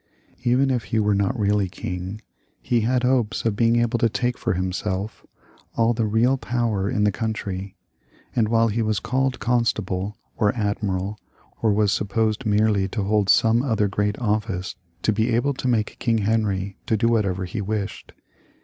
Even if he were not really king, he had hopes of being able to take for himself all the real power in the country, and while he was called con stable or admiral, or was supposed merely to hold some 292 HENRY I IL [CH. other great ofl&ce, to be able to make King Henry do what ever he wished.